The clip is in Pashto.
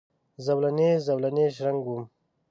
زولنې، زولنې شرنګ وم